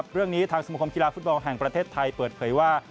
เรื่องนี้ทางสมคมกีฬาฟุตบอลแห่งประเทศไทยเปิดเผยว่า